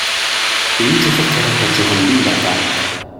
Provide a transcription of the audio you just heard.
Энэ чухал тариа хажууханд нь байлаа.